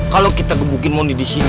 kalo kita gebukin moni di sini